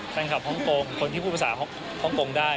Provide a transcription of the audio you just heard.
แฟนคลับฮ่องโกงคนที่พูดภาษาฮ่องโกงได้